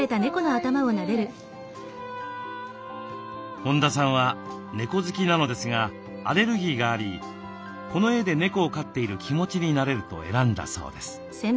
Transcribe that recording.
本田さんは猫好きなのですがアレルギーがありこの絵で猫を飼っている気持ちになれると選んだそうです。